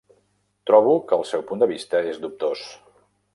Trobo que el seu punt de vista és dubtós.